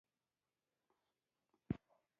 زموږ حکومت پرې پوهېږي.